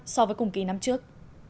so với cùng kỳ năm trước